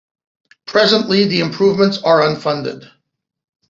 Presently the improvements are unfunded.